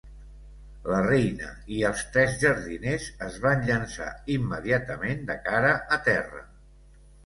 La Reina!" i els tres jardiners es van llançar immediatament de cara a terra.